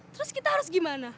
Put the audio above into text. terus kita harus gimana